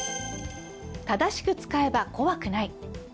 正しく使えば怖くない。